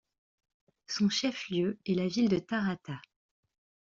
Son chef-lieu est la ville de Tarata.